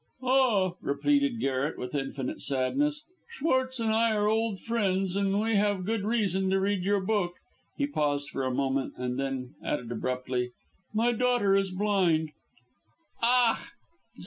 "Ah," replied Garret, with infinite sadness, "Schwartz and I are old friends, and we have good reason to read your book." He paused for a moment, then added abruptly: "My daughter is blind." "Ach!